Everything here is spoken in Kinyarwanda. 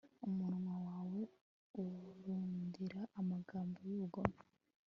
umunwa wawe uwurundurira amagambo y'ubugome